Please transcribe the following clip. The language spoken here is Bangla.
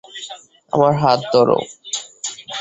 আমার হাত ধরো।